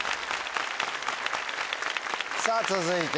さぁ続いて。